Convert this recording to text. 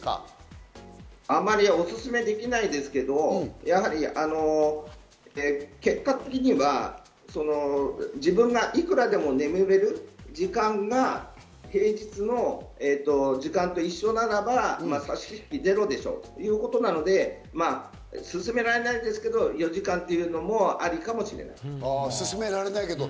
あまりおすすめできないですけど、結果的には自分がいくらでも眠れる時間が平日の時間と一緒ならば差し引きゼロでしょということなので、勧められないですけど、４時間というのもありかもしれません。